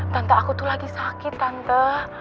tante aku tuh lagi sakit tante